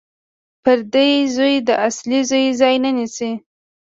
پردی زوی د اصلي زوی ځای نه نیسي